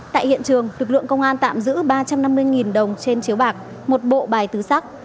tại hiện trường lực lượng công an tạm giữ ba trăm năm mươi đồng trên chiếu bạc một bộ bài tứ sắc